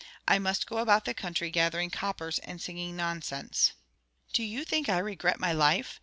I must go about the country gathering coppers and singing nonsense. Do you think I regret my life?